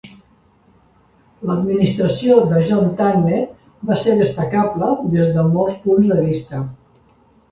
L'administració de John Tanner va ser destacable des de molts punts de vista.